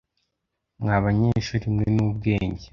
mwa banyeshuri mwe n’ubwenge